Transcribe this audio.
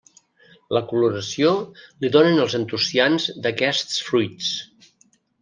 La coloració li donen els antocians d'aquests fruits.